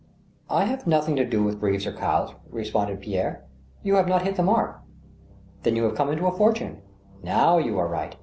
I have nothing to do with beeves or cows," responded Pierre. " You have not hit the mark." " Then you have come into a fortune," " Now you are right."